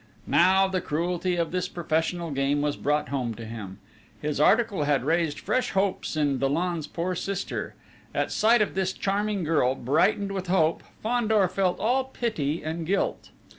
Now the cruelty of this professional game was brought home to him. His article had raised fresh hopes in Dollon's poor sister! At sight of this charming girl, brightened with hope, Fandor felt all pity and guilt.